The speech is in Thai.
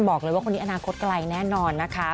บอกเลยว่าคนนี้อนาคตไกลแน่นอนนะคะ